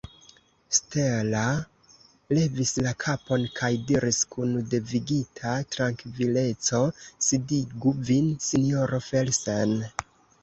Stella levis la kapon kaj diris kun devigita trankvileco: « Sidigu vin, sinjoro Felsen ».